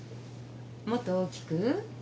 もっと大きく。